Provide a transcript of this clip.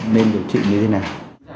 nên điều trị như thế nào